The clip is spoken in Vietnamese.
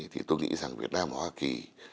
thì tôi nghĩ rằng việt nam và hoa kỳ